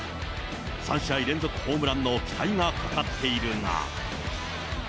３試合連続ホームランの期待がかかっているが。